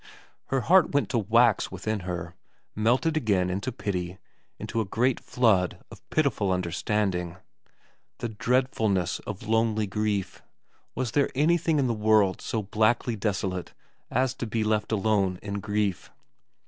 Her heart went to wax within her, melted again into pity, into a great flood of pitiful understanding. The dreadfulness of lonely grief. ... Was there anything in the world so blackly desolate as to be left alone in grief